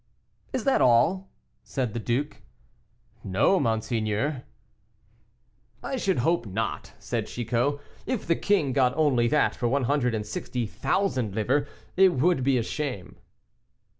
"Is that all?" said the duke. "No, monseigneur." "I should hope not," said Chicot; "if the king got only that for one hundred and sixty thousand livres, it would be a shame."